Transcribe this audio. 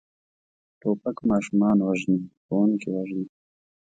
توپک ماشومان وژني، ښوونکي وژني.